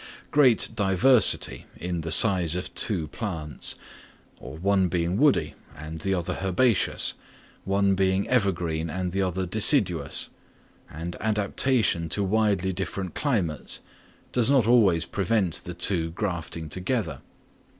Great diversity in the size of two plants, one being woody and the other herbaceous, one being evergreen and the other deciduous, and adaptation to widely different climates, does not always prevent the two grafting together.